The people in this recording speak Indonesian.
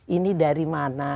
ini dari mana